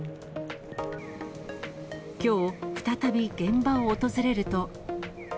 きょう再び現場を訪れると。